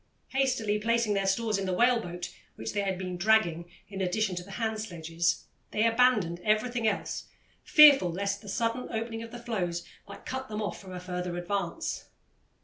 Hastily placing their stores in the whale boat, which they had been dragging in addition to the hand sledges, they abandoned everything else, fearful lest the sudden opening of the floes might cut them off from a further advance.